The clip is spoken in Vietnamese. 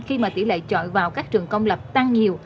khi mà tỉ lệ chọi vào các trường công lập tăng nhiều